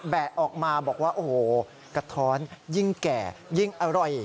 ะออกมาบอกว่าโอ้โหกระท้อนยิ่งแก่ยิ่งอร่อย